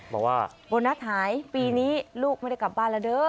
บอกว่าโบนัสหายปีนี้ลูกไม่ได้กลับบ้านแล้วเด้อ